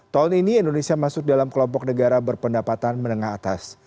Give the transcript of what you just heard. tahun ini indonesia masuk dalam kelompok negara berpendapatan menengah atas